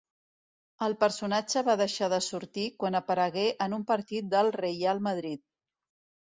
El personatge va deixar de sortir quan aparegué en un partit del Reial Madrid.